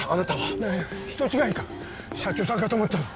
何や人違いか社長さんかと思った